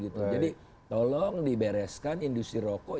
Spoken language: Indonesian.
jadi tolong dibereskan industri rokok